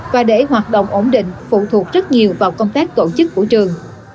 và để hoạt động ổn định phụ thuộc rất nhiều vào công tác tổ chức của trường